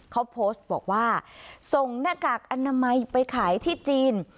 เขาโพสต์บอกว่าส่งหน้ากากอนามัยไปขายที่จีน